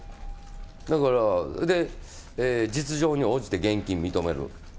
だから、それで実情に応じて現金認める。